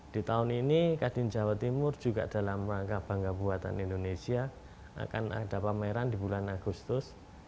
di tahun ini kadin jawa timur juga dalam rangka bangga buatan indonesia akan ada pameran di bulan agustus